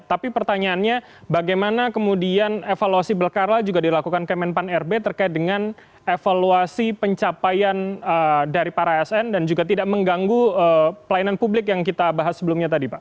tapi pertanyaannya bagaimana kemudian evaluasi belkara juga dilakukan kemenpan rb terkait dengan evaluasi pencapaian dari para asn dan juga tidak mengganggu pelayanan publik yang kita bahas sebelumnya tadi pak